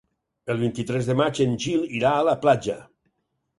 El vint-i-tres de maig en Gil irà a la platja.